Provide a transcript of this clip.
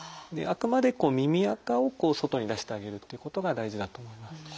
あくまで耳あかを外に出してあげるっていうことが大事だと思います。